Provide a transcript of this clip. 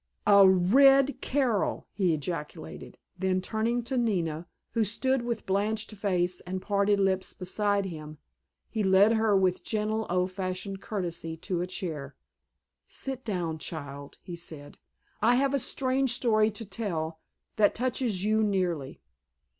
"A red Carroll!" he ejaculated. Then turning to Nina, who stood with blanched face and parted lips beside him, he led her with gentle, old fashioned courtesy to a chair. "Sit down, child," he said, "I have a strange story to tell, that touches you nearly."